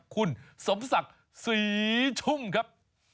คุณสมศักดิ์ศรีชุ่มครับ